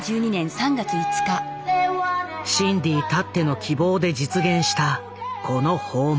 シンディたっての希望で実現したこの訪問。